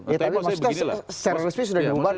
ya tapi maksudnya secara resmi sudah dibubarkan